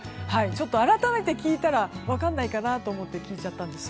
改めて聞いたら分からないかなと思って聞いてみたんです。